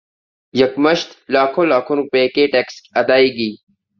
یکمشت لاکھوں لاکھوں روپے کے ٹیکس ادائیگی